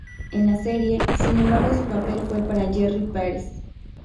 En la serie, sin embargo, su papel fue para Jerry Paris.